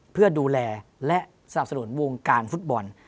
เพื่อดูแลและสนับสนุนวงการฟุตบอล